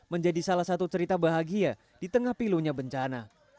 menjadi salah satu cerita bahagia di tengah pilunya bencana